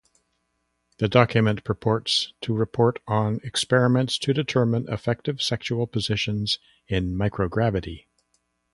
The document purports to report on experiments to determine effective sexual positions in microgravity.